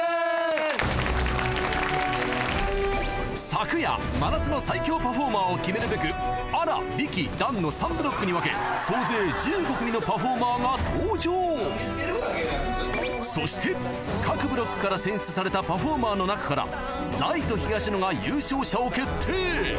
昨夜真夏の最強パフォーマーを決めるべくあら・びき・団の３ブロックに分け総勢１５組のパフォーマーが登場そして各ブロックから選出されたパフォーマーの中からライト東野が優勝者を決定！